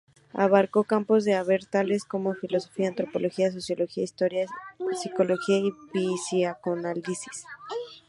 Abarcó campos del saber tales como: filosofía, antropología, sociología, historia psicología, y psicoanálisis.